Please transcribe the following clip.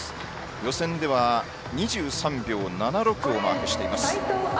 予選では２３秒７６をマークしています。